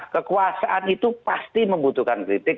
kekuasaan itu pasti membutuhkan kritik